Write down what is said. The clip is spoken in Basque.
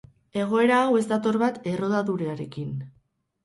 Egoera hau ez dator bat errodadurarekin.